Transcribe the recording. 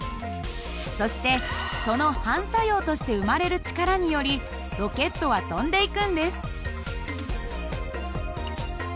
そしてその反作用として生まれる力によりロケットは飛んでいくんです。